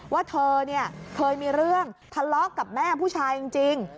ว่าเธอเคยมีเรื่องทะเลาะกับแม่ผู้ชายจริง